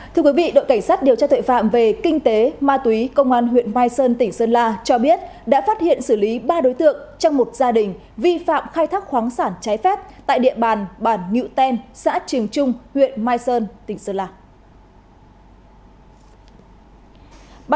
thưa quý vị đội cảnh sát điều tra tội phạm về kinh tế ma túy công an huyện mai sơn tỉnh sơn la cho biết đã phát hiện xử lý ba đối tượng trong một gia đình vi phạm khai thác khoáng sản trái phép tại địa bàn bản ngự ten xã trường trung huyện mai sơn tỉnh sơn lạc